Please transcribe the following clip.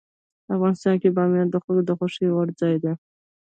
افغانستان کې بامیان د خلکو د خوښې وړ ځای دی.